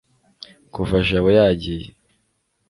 kuva jabo yagiye